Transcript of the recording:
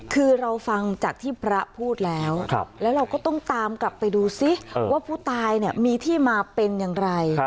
คือเราฟังจากที่พระพูดแล้วแล้วเราก็ต้องตามกลับไปดูซิว่าผู้ตายเนี่ยมีที่มาเป็นอย่างไร